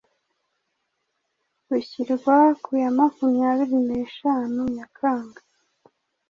ushyirwa ku ya makumyabiri neshanu Nyakanga